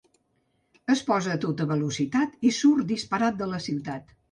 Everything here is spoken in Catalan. Es posa a tota velocitat i surt disparat de la ciutat.